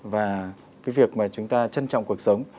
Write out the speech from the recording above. và cái việc mà chúng ta trân trọng cuộc sống